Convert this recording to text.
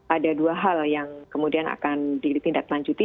ada dua hal yang kemudian akan ditindaklanjuti